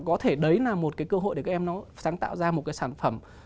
có thể đấy là một cái cơ hội để các em nó sáng tạo ra một cái sản phẩm